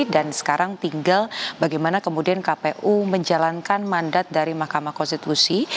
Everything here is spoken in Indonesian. dan sekarang tinggal bagaimana kemudian kpu menjalankan mandat dari mahkamah konstitusi